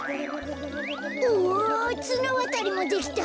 うわつなわたりもできた。